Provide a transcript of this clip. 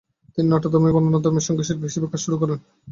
তিনি নাট্যধর্মী ও বর্ণনাধর্মী সঙ্গীতশিল্পী হিসেবে কাজ শুরু করেন।